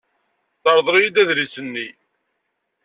Terḍel-iyi-d adlis-nni.